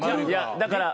だから。